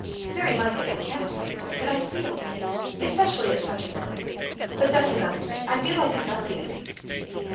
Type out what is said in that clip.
"Very likely I can't do any good, but I feel—especially at such a moment—but that's another thing—I feel I could not be at peace."